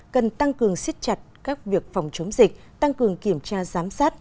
cần tăng cường xích chặt các việc phòng chống dịch tăng cường kiểm tra giám sát